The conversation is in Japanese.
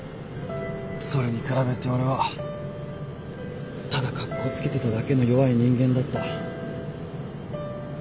それに比べて俺はただかっこつけてただけの弱い人間だった。